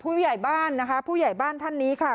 ผู้ใหญ่บ้านนะคะผู้ใหญ่บ้านท่านนี้ค่ะ